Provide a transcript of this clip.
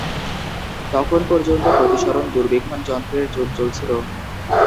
তখন পর্যন্ত প্রতিসরণ দূরবীক্ষণ যন্ত্রের যুগ চলছিল।